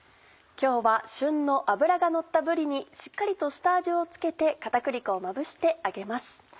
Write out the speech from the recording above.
今日は旬の脂がのったぶりにしっかりと下味を付けて片栗粉をまぶして揚げます。